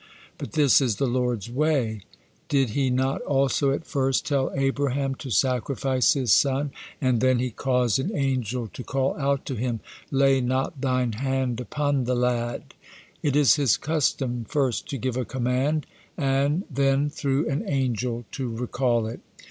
But this is the Lord's way. Did He not also at first tell Abraham to sacrifice his son, and then He caused an angel to call out to him, 'Lay not thine hand upon the lad?' It is His custom first to give a command, and the through an angel to recall it.